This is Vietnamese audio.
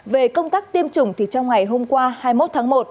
về công tác tiêm chủng thì trong ngày hôm qua hai mươi một tháng một